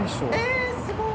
えすごい。